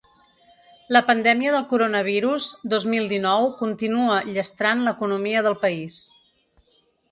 La pandèmia del coronavirus dos mil dinou continua llastrant l’economia del país.